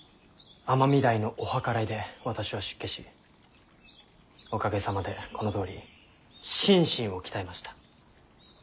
尼御台のお計らいで私は出家しおかげさまでこのとおり心身を鍛えました。